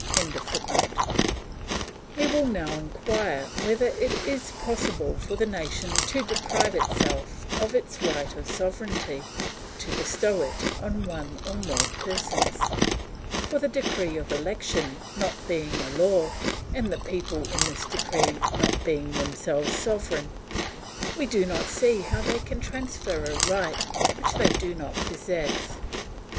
] We will now inquire whether it is possible for the nation to deprive itself of its right of sovereignty, to bestow it on one or more persons; for the decree of election not being a law, and the people in this decree not being themselves sovereign, we do not see how they can transfer a right which they do not possess.